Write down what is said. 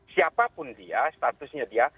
siapapun dia statusnya dia